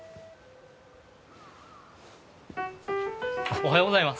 おはようございます。